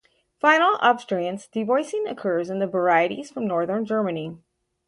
Final-obstruents devoicing occurs in the varieties from Northern Germany.